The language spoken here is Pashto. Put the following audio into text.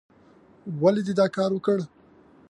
ولې دې دا کار کوو؟